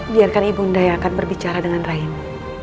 biarkan ibu ndang akan berbicara dengan raimu